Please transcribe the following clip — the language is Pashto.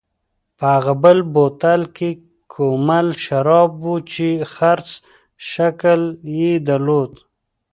په هغه بل بوتل کې کومل شراب و چې خرس شکل یې درلود.